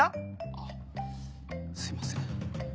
あすいません。